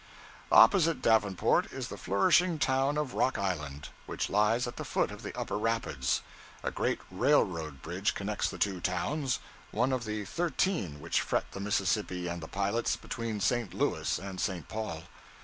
Opposite Davenport is the flourishing town of Rock Island, which lies at the foot of the Upper Rapids. A great railroad bridge connects the two towns one of the thirteen which fret the Mississippi and the pilots, between St. Louis and St. Paul.